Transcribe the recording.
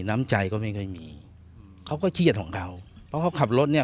น้ำใจก็ไม่ค่อยมีเขาก็เครียดของเขาเพราะเขาขับรถเนี่ย